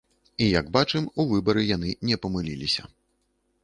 І як бачым, у выбары яны не памыліліся.